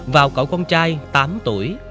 vào cậu con trai tám tuổi